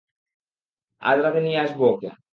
আজ রাতে নিয়ে আসব ওকে।